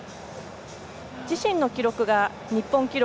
自身の記録が日本記録